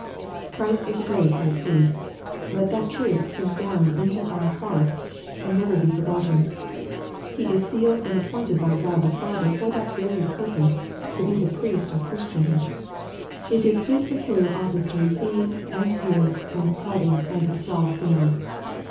Christ is a great High Priest. Let that truth sink down into our hearts and never be forgotten. He is sealed and appointed by God the Father for that very purpose, to be the Priest of Christians. It is His peculiar office to receive, and hear, and pardon, and absolve sinners.